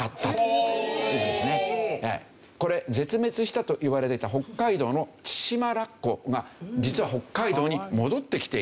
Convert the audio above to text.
これ絶滅したといわれていた北海道のチシマラッコが実は北海道に戻ってきている。